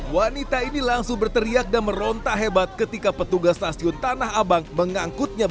wanita ini langsung berteriak dan merontak hebat ketika petugas stasiun tanah abang mengangkutnya